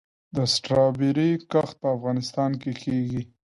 د سټرابیري کښت په افغانستان کې کیږي؟